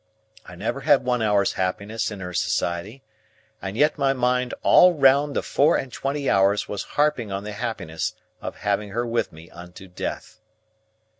I never had one hour's happiness in her society, and yet my mind all round the four and twenty hours was harping on the happiness of having her with me unto death.